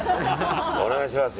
お願いしますよ。